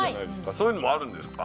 そういうのもあるんですか？